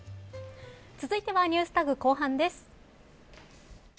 続いてはＮｅｗｓＴａｇ後半です。